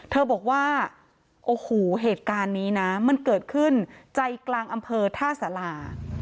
เธอบอกว่าโอ้โหเหตุการณ์นี้นะมันเกิดขึ้นใจกลางอำเภอท่าสารา